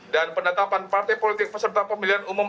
dan pendatapan partai politik peserta pemilihan umum